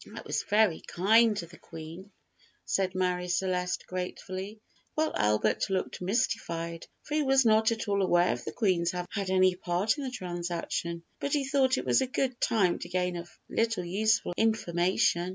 "That was very kind of the Queen," said Marie Celeste gratefully, while Albert looked mystified, for he was not at all aware of the Queen's having had any part in the transaction; but he thought it was a good time to gain a little useful information.